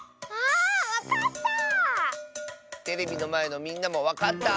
テレビのまえのみんなもわかった？